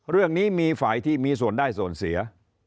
เรื่องนี้มีฝ่ายที่มีส่วนได้ส่วนเสีย